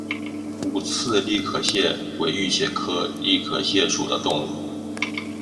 五刺栗壳蟹为玉蟹科栗壳蟹属的动物。